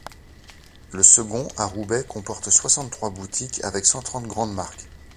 Le second, à Roubaix, comporte soixante-trois boutiques avec cent trente grandes marques.